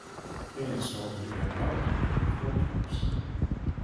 They installed a new hydraulic unit with four pumps.